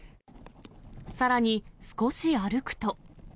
さらに少し歩くと。